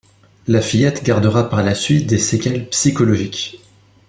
La fillette gardera par la suite des séquelles psychologiques.